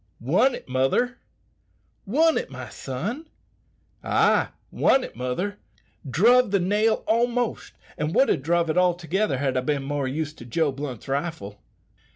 "Won it, mother!" "Won it, my son?" "Ay, won it, mother. Druve the nail almost, and would ha' druve it altogether had I bin more used to Joe Blunt's rifle."